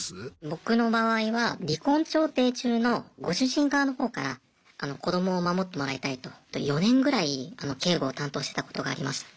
僕の場合は離婚調停中のご主人側のほうから子どもを守ってもらいたいと４年ぐらい警護を担当してたことがありました。